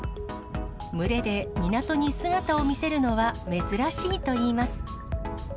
群れで港に姿を見せるのは、珍しいといいます。